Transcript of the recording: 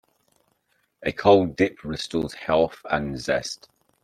A cold dip restores health and zest.